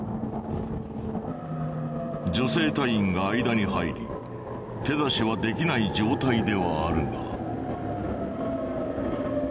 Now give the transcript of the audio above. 女性隊員が間に入り手出しはできない状態ではあるが。